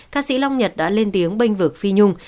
ca sĩ long nhật đã lên tiếng bênh vực phi nhung